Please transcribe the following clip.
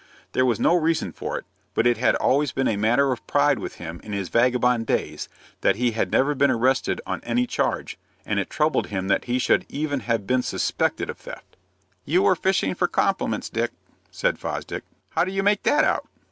There was no reason for it; but it had always been a matter of pride with him in his vagabond days that he had never been arrested on any charge, and it troubled him that he should even have been suspected of theft. "You are fishing for compliments, Dick," said Fosdick. "How do you make that out?"